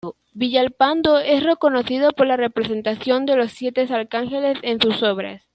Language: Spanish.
Villalpando es reconocido por la representación de los Siete Arcángeles en sus obras.